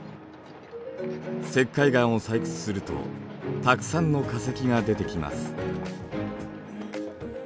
石灰岩を採掘するとたくさんの化石が出てきます。